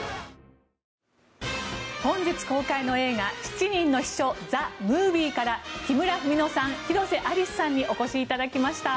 本日公開の映画「七人の秘書ＴＨＥＭＯＶＩＥ」から木村文乃さん、広瀬アリスさんにお越しいただきました。